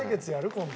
今度。